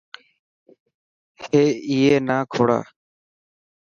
هي اي نا کوڙا.